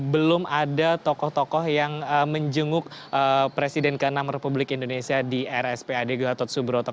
belum ada tokoh tokoh yang menjenguk presiden ke enam republik indonesia di rspad gatot subroto